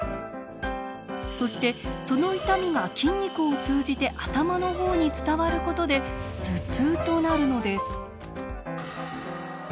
そしてその痛みが筋肉を通じて頭の方に伝わることで頭痛となるのです。